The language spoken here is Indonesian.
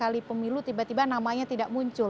kali pemilu tiba tiba namanya tidak muncul